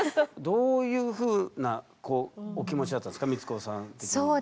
どういうふうなお気持ちだったんですか光子さん的には。